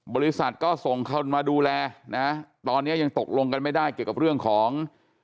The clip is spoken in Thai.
บริษัทก็ส่งคนมาดูแลนะตอนนี้ยังตกลงกันไม่ได้เกี่ยวกับเรื่องของ